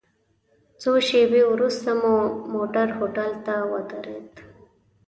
څو شېبې وروسته مو موټر هوټل ته ودرید.